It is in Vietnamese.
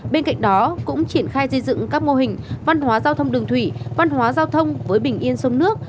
bên cạnh đó cũng triển khai xây dựng các mô hình văn hóa giao thông đường thủy văn hóa giao thông với bình yên sông nước